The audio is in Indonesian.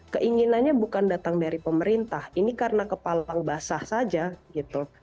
keinginannya bukan datang dari pemerintah ini karena kepalang basah saja gitu